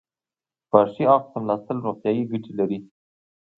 په ښي اړخ څملاستل روغتیایي ګټې لري.